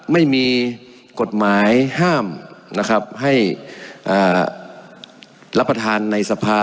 ไม่มีกฎหมายห้ามนะครับให้รับประทานในสภา